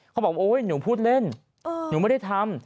เขาบอกโอ๊ยหนูพูดเล่นหนูไม่ได้ทำ